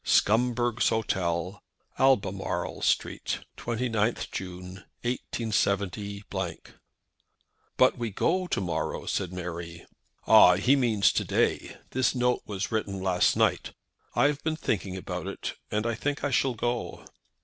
"Scumberg's Hotel, "Albemarle Street. "_29th June, 187 _." "But we go to morrow," said Mary. "Ah; he means to day. The note was written last night. I have been thinking about it, and I think I shall go."